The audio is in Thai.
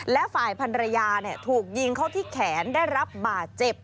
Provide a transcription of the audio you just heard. และฝ่ายพันรยาถูกยิงเข้าที่แขนได้รับบาดเจ็บ